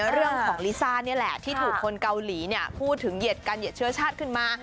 เรื่องของลิซ่านี่แหละที่ถูกคนเกาหลีพูดถึงเหยียดการเหยียดเชื้อชาติขึ้นมา